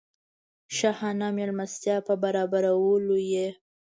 د شاهانه مېلمستیا په برابرولو یې.